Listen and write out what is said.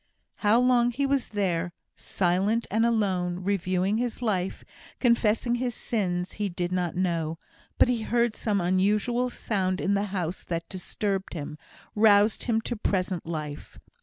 How long he was there silent and alone reviewing his life confessing his sins he did not know; but he heard some unusual sound in the house that disturbed him roused him to present life.